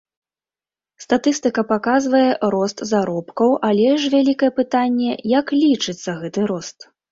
Статыстыка паказвае рост заробкаў, але ж вялікае пытанне, як лічыцца гэты рост.